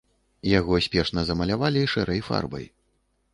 Яго спешна замалявалі шэрай фарбай.